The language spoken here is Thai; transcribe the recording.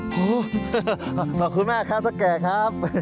ขอบคุณแม่ครับสักแก่ครับ